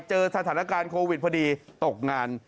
เจอสถานการณ์โควิดพอดีตกงาน